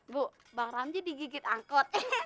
bu bang ramdi digigit angkot